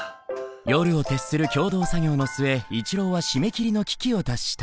夜を徹する共同作業の末一郎は締め切りの危機を脱した。